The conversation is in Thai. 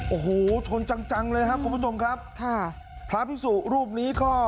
โอ้โหชนจังจังเลยครับคุณผู้ชมครับค่ะพระพิสุรูปนี้ก็